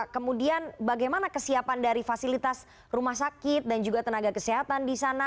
kemudian bagaimana kesiapan dari fasilitas rumah sakit dan juga tenaga kesehatan di sana